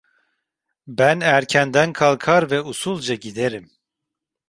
Ben erkenden kalkar ve usulca giderim.